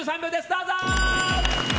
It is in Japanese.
どうぞ！